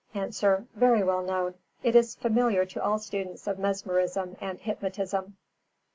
_ A. Very well known; it is familiar to all students of mesmerism and hypnotism.